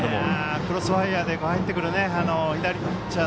クロスファイアーで入ってくる左ピッチャー